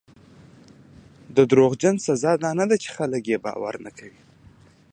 د دروغجن سزا دا نه ده چې خلک یې باور نه کوي.